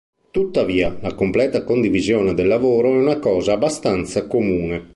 Tuttavia, la completa condivisione del lavoro è una cosa abbastanza comune.